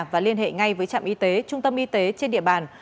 và liên hệ ngay với trạm y tế trung tâm y tế trên địa bàn